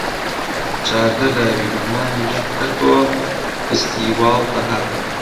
چاردە لاوی لوبنانیش هەر بۆ فستیواڵ دەهاتن